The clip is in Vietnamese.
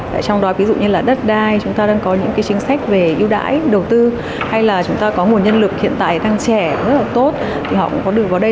trong đó ví dụ như đất đai chúng ta đang có những chính sách về ưu đãi đầu tư hay là chúng ta có nguồn nhân lực hiện tại đang trẻ rất là tốt họ cũng có được vào đây